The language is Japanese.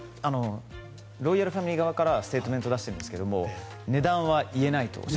ロイヤルファミリー側からステートメントを出してるんですが値段は言えないと。